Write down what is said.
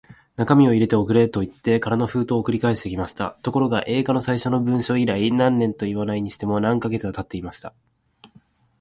中身を入れて送れ、といって空の封筒を送り返してきました。ところが、Ａ 課の最初の文書以来、何年とはいわないにしても、何カ月かはたっていました。